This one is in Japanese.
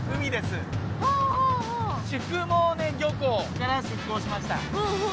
から出港しました。